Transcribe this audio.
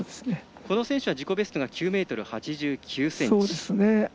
この選手は自己ベストが９ｍ８９ｃｍ。